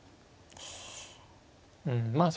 うんまあ